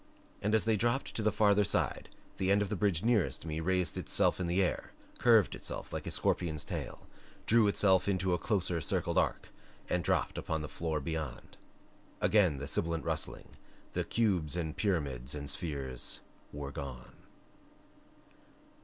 And as they dropped to the farther side the end of the bridge nearest me raised itself in air, curved itself like a scorpion's tail, drew itself into a closer circled arc, and dropped upon the floor beyond. Again the sibilant rustling and cubes and pyramids and spheres were gone.